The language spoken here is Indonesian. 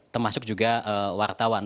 termasuk juga wartawan